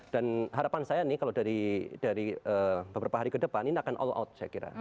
dan harapan saya nih kalau dari beberapa hari ke depan ini akan all out saya kira